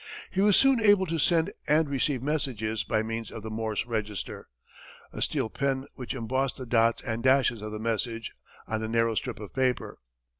He was soon able to send and receive messages by means of the Morse register a steel pen which embossed the dots and dashes of the message on a narrow strip of paper.